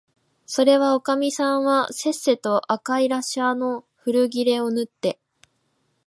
そのおかみさんはせっせと赤いらしゃの古切れをぬって、